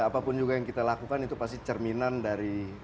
apapun juga yang kita lakukan itu pasti cerminan dari